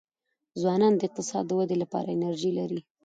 ځوانان د اقتصاد د ودې لپاره انرژي لري.